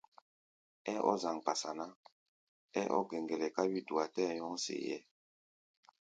Ɛ́ɛ́ ɔ́ zaŋ-kpasa ná, ɛ́ɛ́ ɔ́ gɛŋgɛlɛ ká wí-dua tɛ́ɛ nyɔ́ŋ see-ɛ́ɛ́.